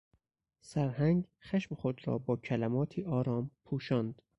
سرهنگ خشم خود را با کلماتی آرام پوشاند.